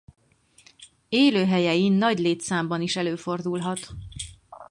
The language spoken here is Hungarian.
Élőhelyein nagy létszámban is előfordulhat.